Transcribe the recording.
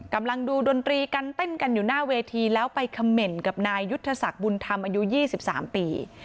กำลังดูดนตรีกันเต้นกันอยู่หน้าเวทีแล้วไปคำเมนต์กับนายยุทธศักดิ์บุญธรรมอายุ๒๓ปี